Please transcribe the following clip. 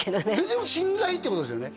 でも信頼っていうことですよね